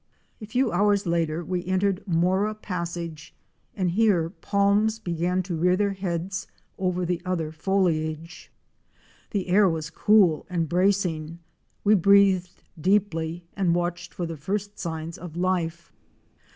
A few hours later we entered Mora Passage and here palms began to rear their heads over the other foliage. The air was cool and bracing, we breathed deeply and watched for the first signs of life.